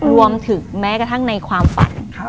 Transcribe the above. รวมถึงแม้กระทั่งในความฝัน